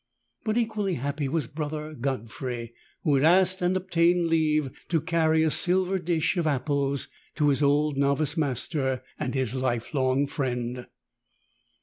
But equally happy wai Brother God frey, who had asked and obtained leave to carry a silver dish of apples to his old novice master and his lifelong friend.